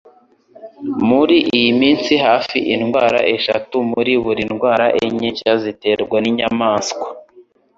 Muri iyi minsi hafi indwara eshatu muri buri ndwara enye nshya ziterwa n'inyamaswa.